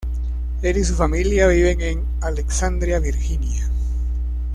Él y su familia viven en Alexandria, Virginia.